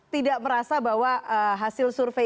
tidak merasa bahwa hasil survei